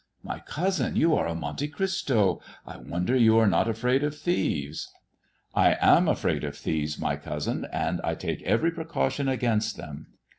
" My cousin, you are a Monte Cristo 1 I wonder you are not afraid of thieves." "I am afraid of thieves, my cousin, and I take every precaution against them.